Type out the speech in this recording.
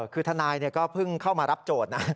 คือทนายก็เพิ่งเข้ามารับโจทย์นะ